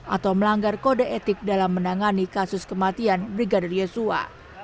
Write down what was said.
atau melanggar kode etik dalam menangani kasus kematian brigadir yosua